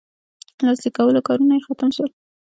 لاسلیک کولو کارونه یې ختم سول.